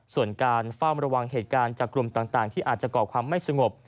ส่วนการเฝ้าระวังเหตุการณ์จากกลุ่มต่างที่อาจจะก่อความไม่สงบ